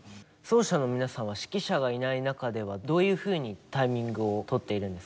奏者の皆さんは指揮者がいない中ではどういうふうにタイミングをとっているんですか？